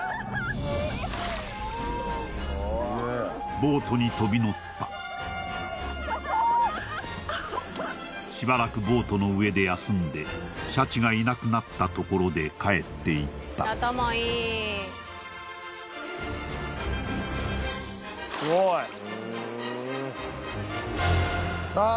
ボートに飛び乗ったしばらくボートの上で休んでシャチがいなくなったところで帰っていったさあ